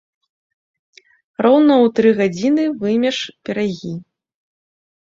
Роўна ў тры гадзіны вымеш пірагі.